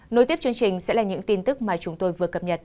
nối tiếp chương trình sẽ là những tin tức mà chúng tôi vừa cập nhật